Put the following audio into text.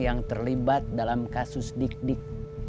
yang terlibat dalam kasus dik dik